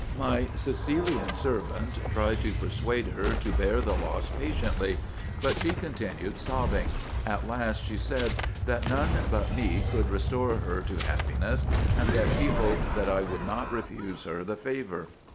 My Sicilian servant tried to persuade her to bear the loss patiently ; but she continued sobbing : at last she said, that none but me could restore her to happiness, and that she hoped that I would not refuse her the favour.